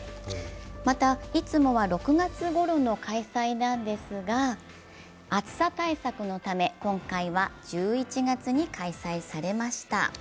またいつもは６月ごろの開催なんですが暑さ対策のため今回は１１月に開催されました。